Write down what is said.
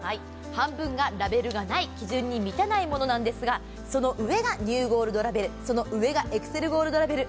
半分がラベルのない、基準に満たないものなんですがその上がニューゴールドラベル、その上がエクセルゴールドラベル。